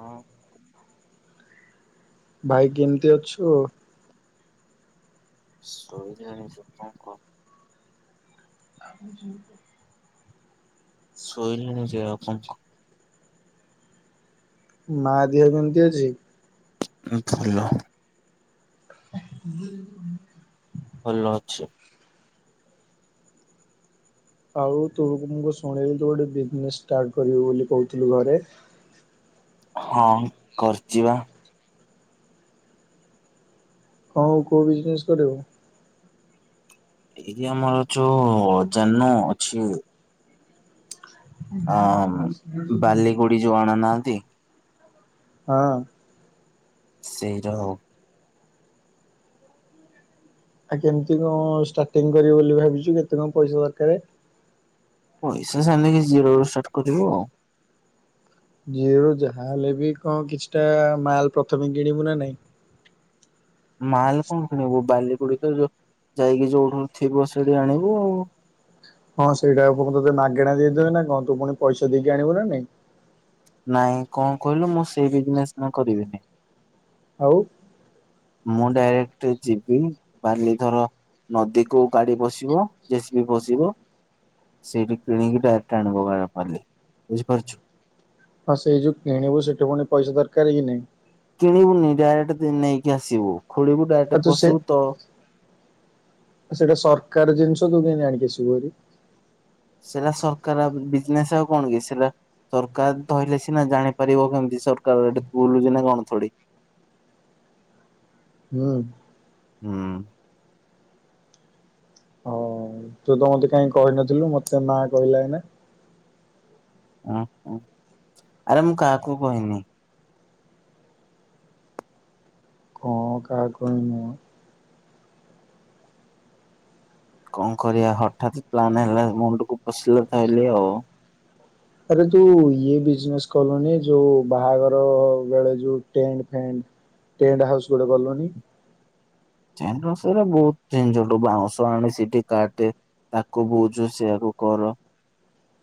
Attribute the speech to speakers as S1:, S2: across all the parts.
S1: ହଁ
S2: ଭାଇ କେମିତି ଅଛୁ?
S1: ଶୋଇଲାଣି ସେ କଣ କ?
S2: [unintelligible]
S1: ଶୋଇଲେଣି ଜେ ଆଉ କଣ କହ?
S2: ମା ଦିହ କେମିତି ଅଛି?
S1: ଉ ଭଲ।
S2: [unintelligible]
S1: ଭଲ ଅଛି।
S2: ଆଉ ତୁ ମୁ କ ଶୁଣିଲି ତୁ ଗୋଟେ ବିଜନେସ୍ ଷ୍ଟାର୍ଟ କରିବୁ ବୋଲି କହୁଥିଲୁ ଘରେ?
S1: ହଁ କରିଚି ବା।
S2: ହଁ ଅଉ କୋଉ ବିଜନେସ୍ କରିବୁ?
S1: ଏଇ ଆମର ଯୋଉ ଅ ଜାନୋ ଅଛି। ଅମ୍ ବାଲି ଗୁଡି ଯୋଉ ଆଣୁନାହାନ୍ତି।
S2: ହଁ।
S1: ସେଇରା ଆଉ।
S2: ଆଉ କେମିତି କଣ ଷ୍ଟାର୍ଟିଂ କରିବୁ ବୋଲି ଭାବିଛୁ କେତେ କଣ ପଇସା ଦରକାରେ?
S1: ପଇସା ସେମିତି କିଛି ଜିରୋ ରୁ ଷ୍ଟାର୍ଟ କରିବି ଆଉ।
S2: ଜିରୋ ଯାହାହେଲେ ବି କଣ କିଛିଟା ମାଲ ପ୍ରଥମେ କିଣିବୁ ନା ନାଇଁ?
S1: ମାଲ କଣ କିଣିବୁ ବାଲି ଗୁଡି ତ ଯୋ ଯାଇକି ଯୋଉଠୁ ଥିବ ସେଠି ଆଣିବୁ ଆଉ।
S2: ହଁ ସେଇଟା କୁ କଣ ତୋତେ ମାଗେଣା ଦେଇଦେବେ ନା କଣ? ତୁ ପୁଣି ପଇସା ଦେଇକି ଆଣିବୁ ନା ନାଇଁ?
S1: ନାଇଁ କଣ କହିଲୁ ମୁଁ ସେଇ ବିଜନେସ୍ ନା କରିବିନି।
S2: ଆଉ?
S1: ମୁଁ ଡାଇରେକ୍ଟ ଯିବି ବାଲି ଧର ନଦୀ କୁ ଗାଡି ପସିବ ଜେ ସି ବି ପସିବ। ସେଇଠି କିଣିକି ଡାଇରେକ୍ଟ ଆଣିବ ବା- ବାଲି, ବୁଝିପାରୁଛୁ?
S2: ହଁ ସେଇ ଯୋଉ କିଣିବୁ ସେଠି ପୁଣି ପଇସା ଦରକାର କି ନାଇଁ?
S1: କିଣିବୁନି ଡାଇରେକ୍ଟ ନେଇକି ଆସିବୁ ଖୋଳିବୁ ଡାଇରେକ୍ଟ
S2: ଆଉ ତୁ ସେ
S1: ପଶିବୁ ତ
S2: ସେଇଟା ସରକାର ଜିନିଷ ତୁ କେମିତି ଆଣିକି ଆସିବୁ? [unintelligible]
S1: ସେଇଟା ସରକାର ବିଜନେସ୍ ଆଉ କଣ କି ସେଟା ସରକାର ଧଇଲେ ସିନା ଜାଣିପାରିବ କେମିତି ସରକାର ଏଠି ବୁଲୁଚି ନା କଣ ଥୋଡି।
S2: ହୁଁ।
S1: ହୁଁ।
S2: ହଁ ତୁ ତୋ ମୋତେ କାହିଁ କହିନଥିଲୁ? ମୋତେ ମା କହିଲା ଏଇନା।
S1: ଆରେ ମୁଁ କାହାକୁ କହିନି।
S2: କଣ କାହାକୁ କହିନୁ ମୋ?
S1: କଣ କରିବା ହଠାତ୍ ପ୍ଲାନ୍ ହେଲା ମୁଣ୍ଡକୁ ପଶିଲା ଥାଇଲି ଆଉ।
S2: ଆରେ ଯୋଉ ଇଏ ବିଜନେସ୍ କଲୁନି ଯୋଉ ବାହାଘର ବେଳେ ଯୋଉ ଟେଣ୍ଟ ଫେଣ୍ଟ। ଟେଣ୍ଟ ହାଉସ୍ ଗୋଟେ କଲୁନି।
S1: ଟେଣ୍ଟ ହାଉସ୍ ଗୁରା ବହୁତ ଝିଝଟ ବାଉଁଶ ଆଣେ ସେଠି କାଟେ। ତାକୁ ବୁଝୁ ସେଆକୁ କର।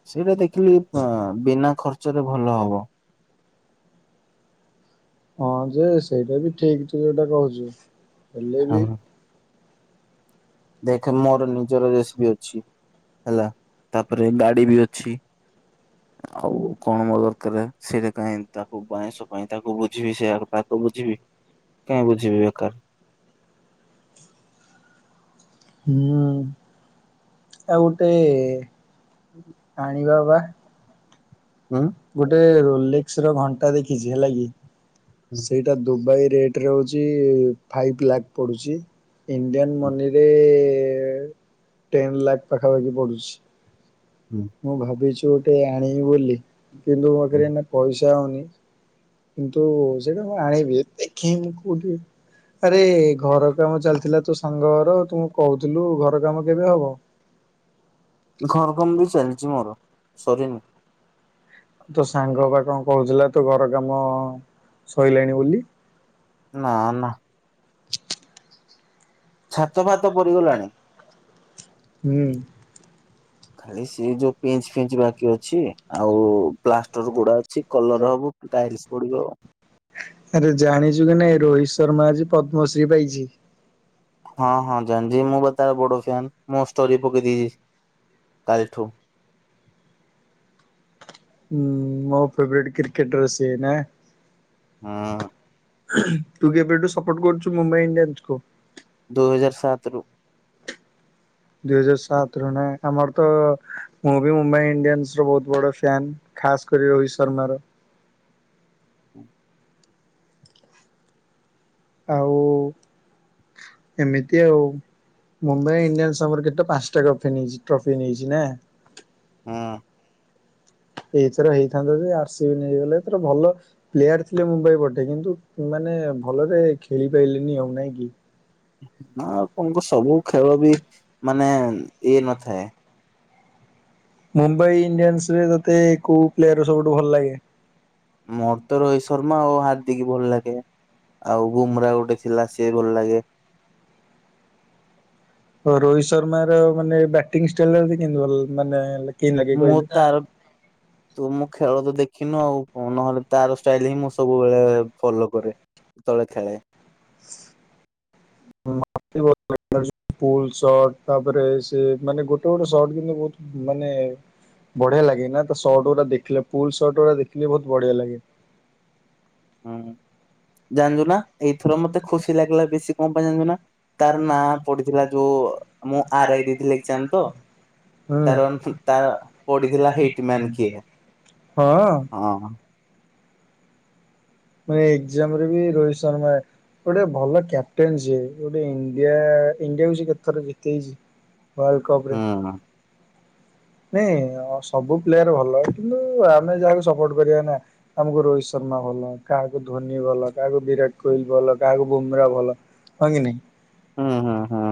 S1: ସେଇଟା ଦେଖିଲି ଫ-ବିନା ଖର୍ଚ୍ଚରେ ଭଲ ହବ।
S2: ହଁ ଯେ ସେଇଟା ବି ଠିକ ତୁ ଯୋଉଟା କହୁଛୁ, ହେଲେ
S1: ହଁ
S2: ବି
S1: ଦେଖେ ମୋର ନିଜର ଜେସିବି ଅଛି, ହେଲା, ତାପରେ ଗାଡି ବି ଅଛି। ଆଉ କଣ ମୋ ଦରକାର, ସେଟା କାଇଁ ତାକୁ ବାଇଁଶ ପାଇଁ ତାକୁ ବୁଝିବି, ସେ [unintelligible] ତାକୁ ବୁଝିବି। କାଇଁ ବୁଝିବି ବେକାର।
S2: ହୁଁ, ଆଉ ଗୋଟେ ଆଣିବା ବା।
S1: ହଁ।
S2: ଗୋଟେ ରୋଲେକ୍ସ ର ଘଣ୍ଟା ଦେଖିଛି ହେଲା କି, ସେଇଟା ଦୁବାଇ ରେ ଟ୍ ରେ ହଉଛି ଫାଇଭ୍ ଲାକ୍ ପଡ଼ୁଛି। ଇଣ୍ଡିଆନ୍ ମନିରେ ଟେନ୍ ଲାକ୍ ପାଖାପାଖି ପଡୁଛି।
S1: ହୁଁ।
S2: ମୁଁ ଭାବିଛି ଗୋଟେ ଆଣିବି ବୋଲି, କିନ୍ତୁ ମୋ ପାଖରେ ଏଇନା ପଇସା ସା ହଉନି କିନ୍ତୁ ସେଇଟା ମୁଁ ଆଣିବି ଦେଖେ ମୁଁ କୋଉଠି ଆରେ ଘର କାମ ଚାଲିଥିଲା ତୋ ସାଙ୍ଗ ଘର ତୁ କହୁଥିଲୁ ଘର କାମ କେବେ ହବ?
S1: ଘର କାମ ବି ଚାଲିଚି ମୋର ସରିନି।
S2: ତୋ ସାଙ୍ଗ ବା କଣ କହୁଥିଲା ତୋ ଘର କାମ ସଇଲାଣି ବୋଲି।
S1: ନାଁ ନାଁ। ଛାତ ଫାତ ପଡିଗଲାଣି?
S2: ହୁଁ
S1: ଖାଲି ସିଏ ଯୋଉ ପିଞ୍ଚ ଫିଞ୍ଚ ବାକି ଅଛି ଆଉ ପ୍ଲାଷ୍ଟର ଗୁଡା ଅଛି କଲର ହବ ଟାଇଲସ ପଡିବ।
S2: ଆରେ ଜାଣିଛୁ କି ନାଇଁ ରୋହିତ ଶର୍ମା ଆଜି ପଦ୍ମଶ୍ରୀ ପାଇଛି।
S1: ହଁ ହଁ ଜାଣିଚି ମୁଁ ବା ତାର ବଡ଼ ଫ୍ୟାନ। ମୁଁ ଷ୍ଟୋରି ପକେଇ ଦେଇଛି କାଲିଠୁ।
S2: ହୁଁ ମୋ ଫ୍ରେବରେଟ୍ କ୍ରିକେଟର ସିଏ ନା।
S1: ହୁଁ।
S2: ତୁ କେବେଠୁ ସପୋର୍ଟ କରୁଛୁ ମୁମ୍ବାଇ ଇଣ୍ଡିଆନ୍ସକୁୁ?
S1: ଦୁଇ ହଜାର ସାତ ରୁ।
S2: ଦୁଇ ହଜାର ସାତ ରୁ ନାଁ ଆମର ତ ମୁଁ ବି ମୁମ୍ବାଇ ଇଣ୍ଡିଆନ୍ସ ର ବହୁତ ବଡ ଫ୍ୟାନ ଖାସ କରି ରୋହିତ ଶର୍ମା ର। ଆଉ ଏମିତି ଆଉ। ମୁମ୍ବାଇ ଇଣ୍ଡିଆନ୍ସ ଆମର କେତେ ପାଞ୍ଚଟା ଟ୍ରଫି ନେଇ ଟ୍ରଫି ନେଇଛି ନା।
S1: ହଁ।
S2: ଏଇଥର ହେଇଥାନ୍ତା ଯେ ଆର୍ସିବି ନେଇଗଲେ। ଏଥର ଭଲ ପ୍ଲେୟାର ଥିଲେ ମୁମ୍ବାଇ ପଟେ କିନ୍ତୁ ମାନେ ଭଲରେ ଖେଳିପାରଲେନି ଆଉ ନାଇଁ କି।
S1: ନା ଆଉ କଣଙ୍କ ସବୁ ଖେଳ ବି ମାନେ ଇଏ ନଥାଏ।
S2: ମୁମ୍ବାଇ ଇଣ୍ଡିଆନ୍ସ ରେ ତୋତେ କେଉ ପ୍ଲେୟର ସବୁଠୁ ଭଲ ଲାଗେ?
S1: ମୋର ତ ରୋହିତ ଶର୍ମା ଆଉ ହାରଦିକି ଭଲ ଲାଗେ। ଆଉ ବୁମ୍ରା ଗୋଟେ ଥିଲା ସିଏ ଭଲ ଲାଗେ।
S2: ଓ ରୋହିତ ଶର୍ମାର ମାନେ ବ୍ୟାଟିଂ ଷ୍ଟାଇଲ କେମତି ଭଲ ମାନେ କେମିତି ଲାଗେ
S1: ମୁଁ
S2: କହିଲୁ?
S1: ତାର ତୁ ମୁଁ ଖେଳ ତ ଦେଖିନୁ ଆଉ ନହେଲେ ତାର ଷ୍ଟାଇଲ ହିଁ ମୁଁ ସବୁବେଳେ ଫଲୋ କରେ। ଯେତେବେଳେ ଖେଳେ।
S2: [unintelligible] ଗୋଟେ ଗୋଟେ ସଟ [unintelligible] ବହୁତ ମାନେ ବଢିଆ ଲାଗେ ନା ତ ସର୍ଟ ଗୁଡା ଦେଖିଲେ ଫୁଲ ସର୍ଟ ଗୁଡା ଦେଖିଲେ ବହୁତ ବଢିଆ ଲାଗେ।
S1: ହୁଁ। ଜାଣିଛୁ ନା ଏଇଥର ମତେ ଖୁସି ଲାଗିଲା ବେଶୀ କଣ ପାଇଁ ଜାଣିଛୁ ନା ତାର ନାଁ ପଡିଥିଲା ଯୋଉ ମୁଁ ଆର ଆଇ ଦେଇଥିଲି ଏକଜାମ ତ। ତାର ତାର ପଡିଥିଲା ହେଇଠି ମ୍ୟାନ୍ କିଏ?
S2: ହଁ।
S1: ହଁ।
S2: ମାନେ ଏକଜାମ ରେ ବି ରୋହିତ ଶର୍ମା ଗୋଟେ ଭଲ କ୍ୟାପଟେନ ସିଏ ଗୋଟେ ଇଣ୍ଡିଆ ଇଣ୍ଡିଆ ହଉଛି କେତେଥର ଜିତେଇଛି। ୱାର୍ଲଡ଼
S1: ହୁଁ
S2: କପରେ ନାଇଁ ସବୁ ପ୍ଲେୟାର ଭଲ କିନ୍ତୁ ଆମେ ଯାହାକୁ ସପୋର୍ଟ କରିବା ନା ଆମକୁ ରୋହିତ ଶର୍ମା ଭଲ କାହାକୁ ଧୋନି ଭଲ କାହାକୁ ବିରାଟ କୋହଲି ଭଲ କାହାକୁ ବୁମ୍ରା ଭଲ। ହଁ କି ନାଇଁ?
S1: ହୁଁ ହୁଁ ହୁଁ।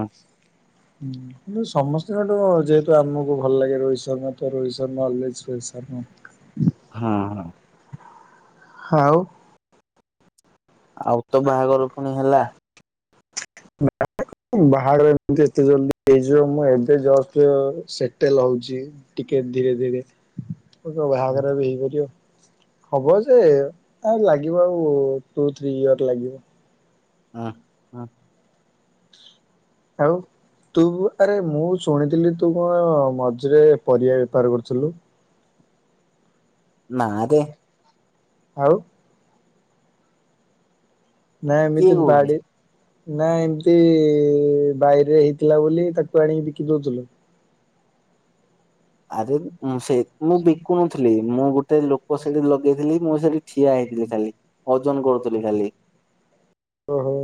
S2: ହୁଁ। କିନ୍ତୁ ସମସ୍ତଙ୍କଠୁ ଯେହେତୁ ଆମକୁ ଭଲ ଲାଗେ ରୋହିତ ଶର୍ମା ତ ରୋହିତ ଶର୍ମା ଆଲରେଡି ସ୍ପେସିଆଲ ନୁହ।
S1: ହଁ ହଁ।
S2: ହଉ।
S1: ଆଉ ତ ବାହାଘର ପୁଣି ହେଲା।
S2: ବାହାଡ ଏମତି ଏତେ ଜଲଦି ହେଇଯିବ ମୁ ଏବେ ଜୁଷ୍ଟ ସେଟେଲ ହଉଛି। ଟିକେ ଧୀରେ ଧୀରେ
S1: ହୁଁ
S2: ବାହାଘର ବି ହେଇପାରିବ। ହବ ଯେ ଆଉ ଲାଗିବ ଆଉ ଟୁ ଥ୍ରୀ ଇୟର ଲାଗିବ।
S1: ହଁ ହଁ।
S2: ଆଉ ତୁ ଆରେ ମୁଁ ଶୁଣିଥିଲି ତୁ କଣ ମଝିରେ ପରିବା ବେପାର କରୁଥିଲୁ।
S1: ନାଁରେ।
S2: ଆଉ। ନା
S1: କିଏ
S2: ଏମତି
S1: କହୁଛି?
S2: ବାଡି ନା ଏମିତି ବାଇରେ ହେଇଥିଲା ବୋଲି ତାକୁ ଆଣିକି ବିକି ଦଉଥିଲୁ।
S1: ଆରେ ସେ ମୁଁ ମୁ ବିକୁ ଥିଲ ମୁଁ ଗୋଟେ ଲୋକ ସେଠି ଲଗେଇଥିଲି ମୁଁ ସେଠି ଠିଆ ହେଇଥିଲି ଖାଲି ଓଜନ କରୁଥିଲି ଖାଲି।
S2: ଓ ହୋ।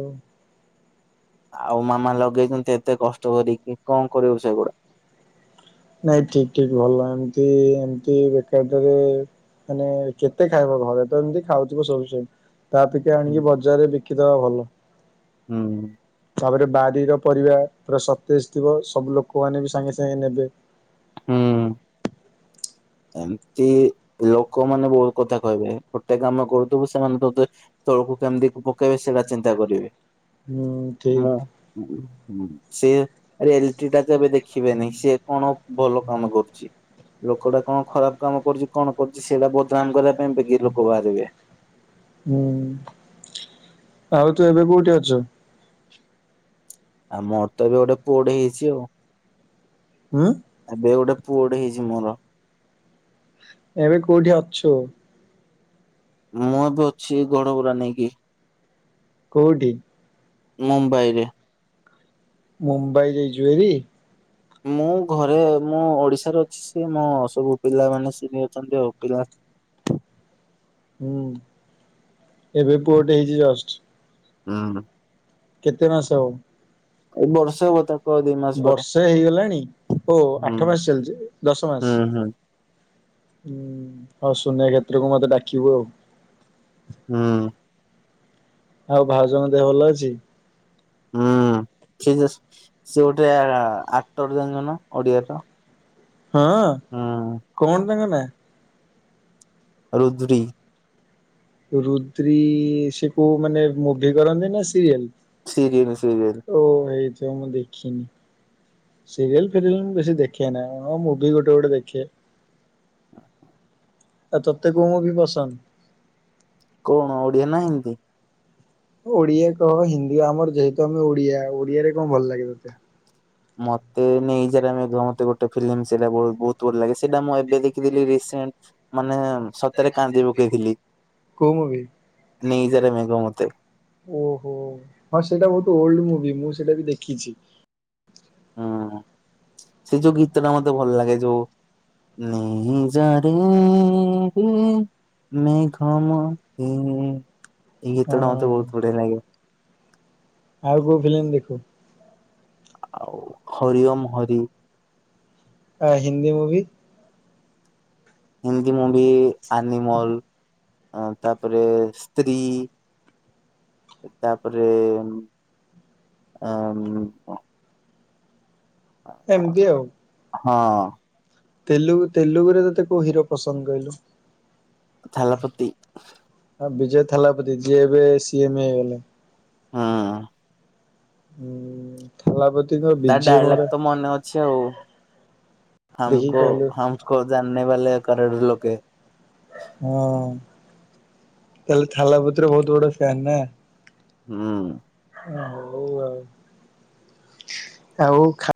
S1: ଆଉ ମାମା ଲଗେଇଛନ୍ତି ଏତେ କଷ୍ଟ କରିକି କଣ କରିବୁ ସେଗୁଡା?
S2: ନାଇଁ ଠିକ ଠିକ ଭଲ ଏମତି ଏମତି ବେକାରଟାରେ ମାନେ କେତେ ଖାଇବ ଘରେ ତ ଏମିତି ଖାଉଥିବ ସବୁ ତାପ
S1: ହୁଁ
S2: ଆଣିକି ବଜାରରେ ବିକିଦବା ଭଲ।
S1: ହୁଁ।
S2: ତାପରେ ବାରିର ପରିବା ପୁରା ସତେଜ ଥିବ ସବୁ ଲୋକମାନେ ବି ସାଙ୍ଗେ ସାଙ୍ଗେ ନେବେ।
S1: ହୁଁ। ଏମିତି ଲୋକମାନେ ବହୁତ କଥା କହିବେ ଗୋଟେ କାମ କରୁଥିବୁ ସେମାନେ ତତେ ତଳକୁ କେମତି ପକେଇବେ ସେଇଟା ଚିନ୍ତା କରିବେ।
S2: ହୁଁ ଠିକ
S1: ମୁଁ ସେ ଏଲିଟି ଟା ତ ଏବେ ଦେଖିବେନି ସିଏ କଣ ଭଲ କାମ କରୁଛି, ଲୋକଟା କଣ ଖରାପ କାମ କରୁଛି କଣ କରୁଛି ସେଇଟା ବଦନାମ କରିବା ପାଇଁ ବେଗି ଲୋକ ବାହାରିବେ।
S2: ହୁଁ। ଆଉ ତୁ ଏବେ କୋଉଠି ଅଛୁ?
S1: ଆଉ ମୋର ତ ଏବେ ଗୋଟେ ପୁଅ ଟେ ହେଇଛି ଆଉ।
S2: ଉଁ।
S1: ଆବେ ଗୋଟେ ପୁଅ ଟେ ହେଇଛି ମୋର।
S2: ଏବେ କୋଉଠି ଅଛୁ?
S1: ମୁଁ ଏବେ ଅଛି ଘଡବରା ନେଇକି।
S2: କୋଉଠି?
S1: ମୁମ୍ବାଇରେ।
S2: ମୁମ୍ବାଇ ଯାଇଛୁ ଭାରି?
S1: ମୁଁ ଘରେ ମୁଁ ଓଡିଶାରେ ଅଛି ସି ମୋ ସବୁ ପିଲାମାନେ ସିନି ଅଛନ୍ତି ଆଉ ପିଲା
S2: ହୁଁ ଏବେ ପୁଅଟେ ହେଇଛି ଜଷ୍ଟ।
S1: ହୁଁ।
S2: କେତେ ମାସ ଆଉ?
S1: ଏଇ ବର୍ଷେ ହବ ତା
S2: ବର୍ସେ ହେଇଗଲାଣି ଓ
S1: ହୁଁ
S2: ଆଠ ମାସ ଚାଲିଛି ଦଶ ମାସ।
S1: ହୁଁ ହୁଁ
S2: ହୁଁ ଆଉ ଶୂନା କ୍ଷେତ୍ରକୁ ମତେ ଡାକିବୁ ଆଉ।
S1: ହୁଁ।
S2: ଆଉ ଭାଉଜଙ୍କ ଦେହ ଭଲ ଅଛି?
S1: ହୁଁ ସେ ଜସ୍ ସେ ଗୋଟେ ଆକ୍ଟର ଜାଣିଚ ନା ଓଡିଆର।
S2: ହଁ
S1: ହୁଁ।
S2: କଣ୍ ତାଙ୍କ ନା?
S1: ରୁଦ୍ରି।
S2: ରୁଦ୍ରି ସେ କୋଉ ମାନେ ମୁଭି କରନ୍ତି ନା ସିରିଏଲ୍?
S1: Serial serial.
S2: ଓ ହେଇଥିବ ମୁଁ ଦେଖିନି। ସିରିଏଲ୍ ଫିରିଏଲ୍ ମୁ ବେଶୀ ଦେଖେ ନାଁ ହଁ ମୁଭି ଗୋଟେ ଗୋଟେ ଦେଖେ। ଆ ତତେ କୋଉ ମୁଁଭି ପସନ୍ଦ?
S1: କଣ ଓଡିଆ ନା ହିନ୍ଦୀ?
S2: ଓଡିଆ କହ ହିନ୍ଦୀ ଆମର ଯେହେତୁ ଆମେ ଓଡିଆ ଓଡିଆରେ କଣ ଭଲ ଲାଗେ ତୋତେ?
S1: ମତେ ନେଇେଜାରେ ମେଘ ମତେ ଗୋଟେ ଫିଲିମ୍ ସେଇଟା ବୋଉତ ବୋହୁତ୍ ତୋର୍ ଲାଗି ସେଟା ମୁଁ ଏବେ ଦେଖିଦଥିଲି ରସେଣ୍ଟ ମାନେ ସତରେ କାନ୍ଦି ପକେଇଥିଲି
S2: କୋଉ ମୁଭି?
S1: ନେଇଜାରେ ମେଘ ମତେ।
S2: ଓହୋ ହଁ ସେଇଟା ବୋହୁତ ଓଲ୍ଡ ମୁଭି ମୁଁ ସେଇଟା ବି ଦେଖିଛି।
S1: ସେଇ ଯୋଉ ଗୀତ ଟା ମତେ ଭଲ ଲାଗେ ଯୋଉ? ନେଇ ଯାରେ ହେଁ ମେଘ ମତେ ଏଇ ଗୀତ ଟା ମତେ
S2: ହଁ।
S1: ବୋହୁତ ବଢିଆ ଲାଗେ।
S2: ଆଉ କୋଉ ଫିଲିମ୍ ଦେଖୁ?
S1: ଆଉ ହରିଓମ ହରି।
S2: ଆ Hindi movie?
S1: Hindi movie Animal ଆ ତାପରେ ସ୍ତ୍ରୀ। ତାପରେ ଆ ଉଁ ଅ।
S2: ଏମିତି ଆଉ
S1: ହଁ
S2: ତେଲୁଗ ତେଲୁଗୁରେ ତତେ କୋଉ ହିରୋ ପସନ୍ଦ କହିଲୁ?
S1: ଥାଲାପତି।
S2: ହଁ ବିଜୟ ଥାଲାପତି ଯିଏ ଏବେ ସିଏମ ହେଇଗଲେ।
S1: ହଁ।
S2: ହୁଁ ଥାଲାପତିଙ୍କ
S1: ତା
S2: ବିଜୟ
S1: ଡାଇଲଗ
S2: ମୋର
S1: ତ
S2: ଦେଖିକି
S1: ହାମ୍ମକୋ
S2: କହିଲୁ
S1: ହାମ୍ମକୋ ଜନ୍ନେ ବାଲେ କରୋଡ଼ ଲୋକେ।
S2: ହୁଁ। ତାହେଲେ ଥାଲାପତୀ ର ବୋହୁତ ବଡ ଫ୍ୟାାନ ନା?
S1: ହୁଁ।
S2: ଓ ହୋଉ ଆଉ ଆଉ ଖା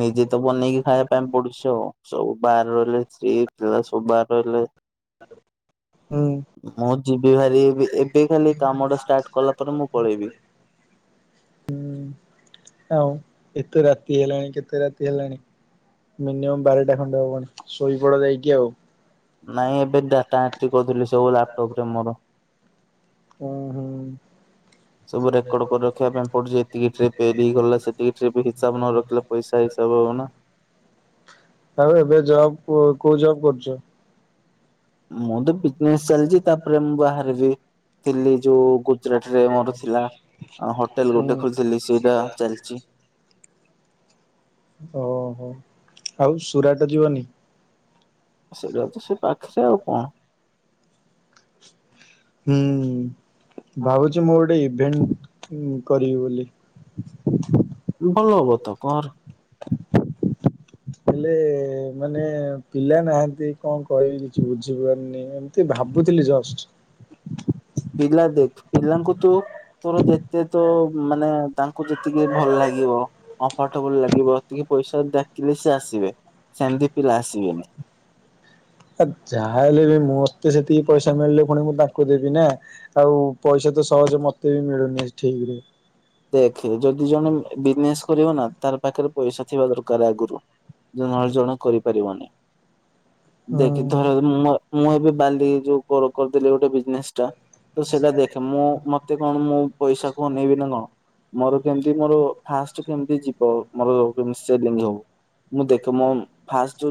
S1: ନିଜେ ତ ବନେଇକି ଖାଇବୁ। ଟାଇମ୍ ପଡୁଚି ଆଉ ସବୁ ବାହାରେ ରହିଲେ ସ୍ତ୍ରୀ ପିଲା ସବୁ ବାହାରେ ରହିଲେ
S2: ହୁଁ।
S1: ମୁଁ ଯିବି ଭାରି ବି ଏବେ ଖାଲି କାମ ଟା ଷ୍ଟାର୍ଟ କଲା ପରେ ମୁଁ ପଳେଇବି। [inaudible]
S2: ଆଉ ଏତେ ରାତି ହେଲାଣି କେତେ ରାତି ହେଲାଣି? ମିନିମମ୍ ବାରଟା ଖଣ୍ଡେ ହବଣି ଶୋଇପଡ ଯାଇକି ଆଉ।
S1: ନାଇଁ ଏବେ ଡ଼ାଟାଏଟ୍ରି କରୁଥିଲି ସବୁ ଲାପ୍ଟପ୍ ରେ ମୋର।
S2: ଉଁ ହୁଁ।
S1: ସବୁ ରେକର୍ଡ କରି ରଖିବା ପାଇଁ ପୁଛି ଯେତିକି ଟ୍ରିପ ଫେରିଇଗଲା ସେତିକି ଟ୍ରିପ୍ ହିସାବ ନ ରଖିଲା ପଇସା ହିସବ ହବ ନା।
S2: ଆଉ ଏବେ ଜବ୍ କୋ କୋଉ ଜବ୍ କରୁଚ?
S1: ମୁଁ ତ ବିଜନେସ ଚାଲିଚି ତାପରେ ମୁଁ ବାହାରେ ରୁହେ। ଥିଲି ଯୋଉ ଗୁଜୁରାଟ ରେ ମୋର ଥିଲା ହୋଟେଲ ଗୋଟେ
S2: ହୁଁ
S1: ଖୋଲିଥିଲି ସେଇଟା ଚାଲିଚି।
S2: ଓହୋ ଆଉ ସୁରାଟ ଯିବନି?
S1: ସେଇଟା ହୋଉଚି ସେ ପାଖରେ ଆଉ କଣ?
S2: ହୁଁ ଭାବୁଚି ମୁଁ ଗୋଟେ ଇଭେଣ୍ଟ କରିବି ବୋଲି।
S1: ଭଲ ହବ ତ କର
S2: ହେଲେ ମାନେ ପିଲା ନାହାନ୍ତି କଣ କହିବି କିଛି ବୁଝିପାରୁନି ଏ ଭାବୁଥିଲି ଜଷ୍ଟ।
S1: ପିଲା ଦେଖ ପିଲାଙ୍କୁ ତୁ ତୋର ଯେତେ ତୋ ମା ମାନେ ତାଙ୍କୁ ଯେତିକି ଭଲ ଲାଗିବ କମ୍ଫର୍ଟେବୁଲ ଲାଗିବ ସେତିକି ପଇସା ଦେ ଦେଲେ ସେ ଆସିବେ ସେମିତି ପିଲା ଆସିବେନି।
S2: ଆ ଯାହା ହେଲେ ବି ମତେ ସେତିକି ପଇସା ମିଳିଲେ ପୁଣି ମୁଁ ତାଙ୍କୁ ଦେବି ନା। ଆଉ ପଇସା ତ ସହଜ ମତେ ବି ମିଳୁନି ଠିକ ରେ।
S1: ଦେଖ ଯଦି ଜଣେ ବିଜନେସ କରିବ ନା ତାର ପାଖରେ ପଇସା ଥିବା ଦରକାର ଆଗରୁ। ନଳ ଜଣେ କରିପାରିବନି। ଦେଖ
S2: ହୁଁ।
S1: ଧର ମୁଁ ମୁଁ ଏବେ ବାଲି ଯୋଉ କର କରିଦେଲେ ଗୋଟେ ବିଜନେସ୍ ଟା ତ ସେଇଟା ଦେଖେ ମୁଁ ମତେ କଣ ମୁଁ ପଇସାକୁ ଅନେଇବି ନା କଣ? ମୋର କେମତି ମୋର ଫାଷ୍ଟ କେମିତି ଯିବ ମୋର [unintelligible] ହେବ। ମୁଁ ଦେଖ ମୋ ଫାଷ୍ଟ ଯୋଉ